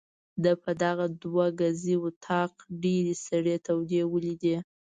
ده په دغه دوه ګزي وطاق ډېرې سړې تودې ولیدې.